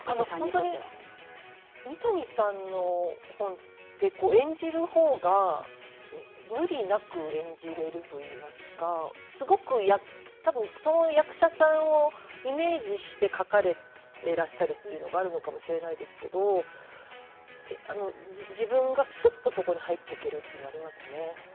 本当に三谷さんの本って演じるほうが無理なく演じられるといいますかすごく、たぶんその役者さんをイメージして書かれていらっしゃるというのがあるのかもしれませんが自分がすっとそこに入っていけるというのがありますね。